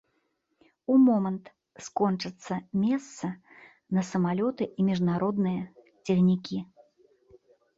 У момант скончацца месца на самалёты і міжнародныя цягнікі.